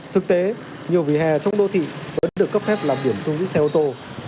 thực tế nhiều vỉa hè trong đô thị vẫn được cấp phép làm điểm trong dưới xe ô tô